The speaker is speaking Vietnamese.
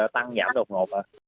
tăng giảm độc ngộ